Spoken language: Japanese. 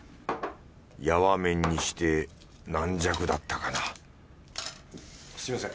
やわ麺にして軟弱だったかなすみません。